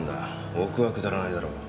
億はくだらないだろう。